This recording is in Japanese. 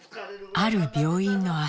ある病院の朝。